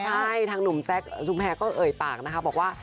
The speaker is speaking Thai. ใช่ทางหนุ่มแซคชุมแพรก็เอ่ยปากนะคะบอกว่า